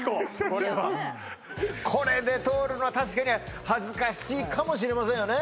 これはこれで通るのは確かに恥ずかしいかもしれませんよね